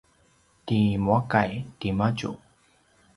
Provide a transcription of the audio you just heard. ti muakay timadju